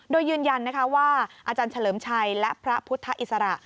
โดยยืนยันนะคะว่าอาจารย์เฉลิมชัยและพระพุทธอิสระ